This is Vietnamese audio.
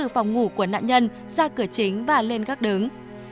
phòng ngủ của nạn nhân ra cửa chính và lên gác đứng